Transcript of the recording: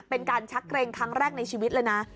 เป็นการชักเกรงครั้งแรกในชีวิตเลยนะ